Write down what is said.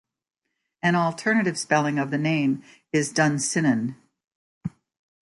An alternative spelling of the name is Dunsinnan.